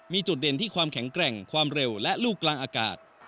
มีจุดเด่นที่ความแข็งแกร่งความเร็วและลูกกลางอากาศ